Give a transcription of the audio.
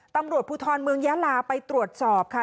ตำรวจภูทรเมืองยาลาไปตรวจสอบค่ะ